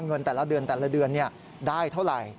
เงินแต่ละเดือนได้เท่าไร